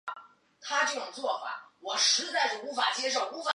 历史轴。